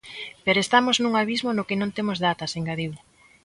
Pero estamos nun abismo no que non temos datas, engadiu.